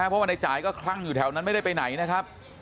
เพราะว่าในจ่ายก็คลั่งอยู่แถวนั้นไม่ได้ไปไหนนะครับ